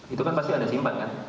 itu kan pasti ada simpan kan